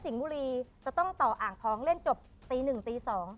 สิ่งบุรีจะต้องต่ออ่างท้องเล่นจบตีหนึ่งตีสอง